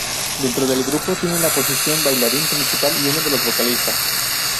Dentro del grupo tiene la posición bailarín principal y uno de los vocalistas.